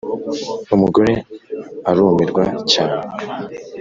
umugore arumirwa cyane